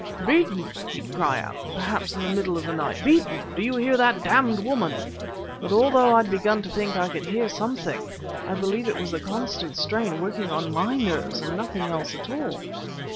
"'Beeton!' he'd cry out, perhaps in the middle of the night 'Beeton do you hear that damned woman!' But although I'd begun to think I could hear something, I believe it was the constant strain working on my nerves and nothing else at all.